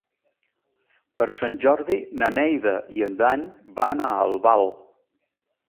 Per Sant Jordi na Neida i en Dan van a Albal.